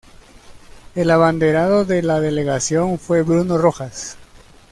El abanderado de la delegación fue Bruno Rojas.